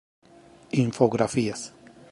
Infografías